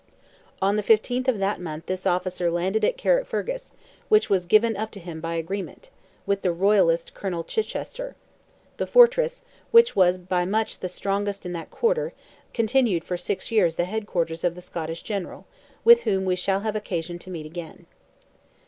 On the 15th of that month this officer landed at Carrickfergus, which was "given up to him by agreement," with the royalist Colonel Chichester; the fortress, which was by much the strongest in that quarter, continued for six years the head quarters of the Scottish general, with whom we shall have occasion to meet again.